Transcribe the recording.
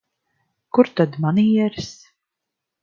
Kur tad manieres?